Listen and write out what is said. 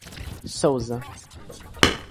Sousa